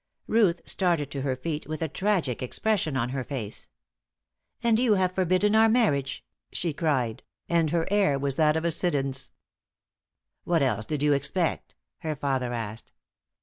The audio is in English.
Ruth started to her feet with a tragic expression on her face. "And you have forbidden our marriage!" she cried, and her air was that of a Siddons. "What else did you expect?" her father asked.